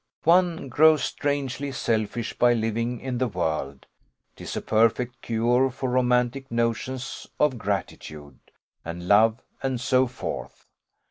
One grows strangely selfish by living in the world: 'tis a perfect cure for romantic notions of gratitude, and love, and so forth.